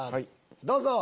どうぞ！